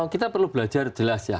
kita perlu belajar jelas ya